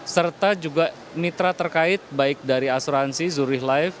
serta juga mitra terkait baik dari asuransi zuri live